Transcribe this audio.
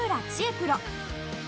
プロ。